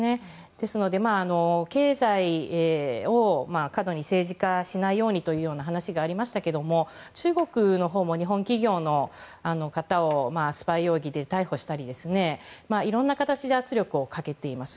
ですので、経済を過度に政治化しないようにという話がありましたが中国のほうも日本企業の方をスパイ容疑で逮捕したりいろいろな形で圧力をかけています。